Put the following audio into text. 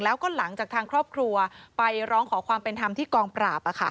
แล้วก็หลังจากทางครอบครัวไปร้องขอความเป็นธรรมที่กองปราบ